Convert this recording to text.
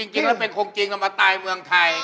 จริงแล้วเป็นคนจีนเอามาตายเมืองไทย